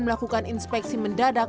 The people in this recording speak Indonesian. melakukan inspeksi mendadak